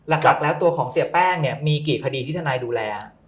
หลักแล้วตัวของเสียแป้งเนี่ยมีกี่คดีที่ทนายดูแล